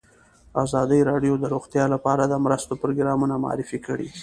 ازادي راډیو د روغتیا لپاره د مرستو پروګرامونه معرفي کړي.